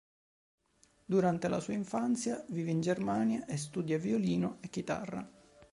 Durante la sua infanzia vive in Germania e studia violino e chitarra.